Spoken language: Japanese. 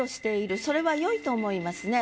それはよいと思いますね。